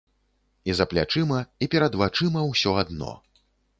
І за плячыма, і перад вачыма ўсё адно.